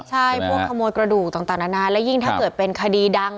ใช่พวกขโมยกระดูกต่างนานาและยิ่งถ้าเกิดเป็นคดีดัง